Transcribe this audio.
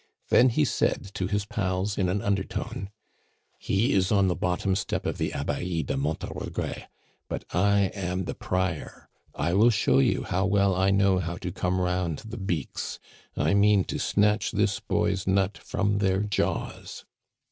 Then he said to his pals in an undertone: "He is on the bottom step of the Abbaye de Monte a Regret, but I am the Prior! I will show you how well I know how to come round the beaks. I mean to snatch this boy's nut from their jaws."